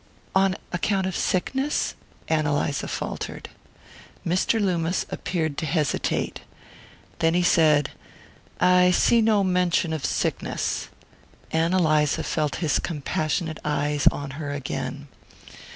"On account of sickness?" Ann Eliza faltered. Mr. Loomis appeared to hesitate; then he said: "I see no mention of sickness." Ann Eliza felt his compassionate eyes on her again.